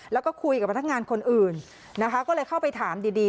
แล้วก็คุยกับพนักงานคนอื่นนะคะก็เลยเข้าไปถามดีดี